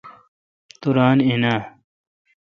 تو ران این۔ اؘ